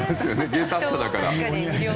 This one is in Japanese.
芸達者だから。